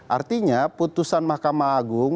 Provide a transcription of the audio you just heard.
artinya putusan makamah agung